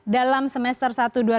dalam semester satu dua ribu tujuh belas